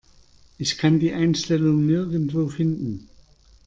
Ich kann die Einstellung nirgendwo finden.